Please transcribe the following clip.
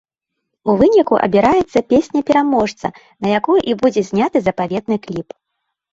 У выніку, абіраецца песня-пераможца, на якую і будзе зняты запаветны кліп.